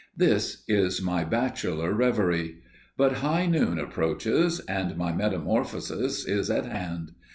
This is my bachelor reverie. But high noon approaches, and my metamorphosis is at hand.